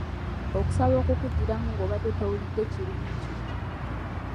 Okusaba okukuddiramu ng’obadde towulidde kirungi.